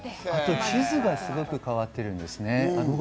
地図がすごく変わってるんですね。